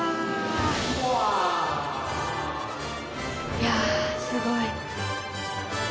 いやすごい！